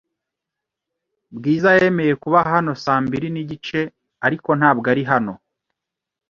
Bwiza yemeye kuba hano saa mbiri nigice, ariko ntabwo ari hano